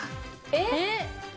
えっ？